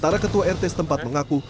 sementara ketua rt setempat mengaku